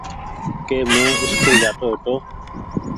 ڪي مين اسڪول جآ تو هيتو